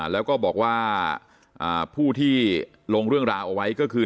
แล้วก็บอกว่าผู้ที่ลงเรื่องราวเอาไว้ก็คือ